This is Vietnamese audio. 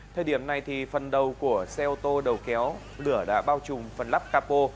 thời điểm này thì phần đầu của xe ô tô đầu kéo lửa đã bao trùm phần lắp capo